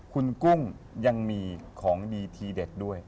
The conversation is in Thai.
คุณกุ้งยังมีของดีทีเด็ดด้วย